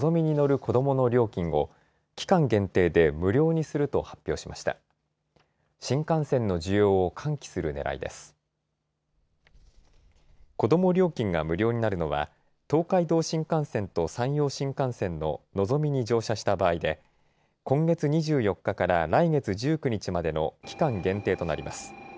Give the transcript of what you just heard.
子ども料金が無料になるのは東海道新幹線と山陽新幹線ののぞみに乗車した場合で今月２４日から来月１９日までの期間限定となります。